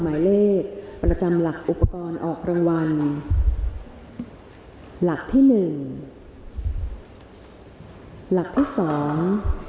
หมายเลขประจำหลักอุปกรณ์ออกรางวัลหลักที่หนึ่งหลักที่สอง